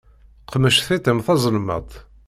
Qmec tiṭ-im tazelmaḍt.